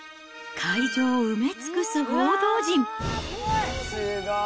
会場を埋め尽くす報道陣。